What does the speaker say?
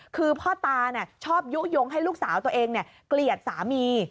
คือพ่อตาชอบยุโยงให้ลูกสาวตัวเองเกลียดสามี